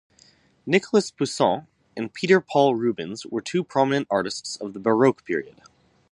Nicolas Poussin and Peter Paul Rubens were two prominent artists of the Baroque period.